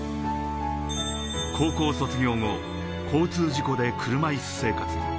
高校卒業後、交通事故で車いす生活。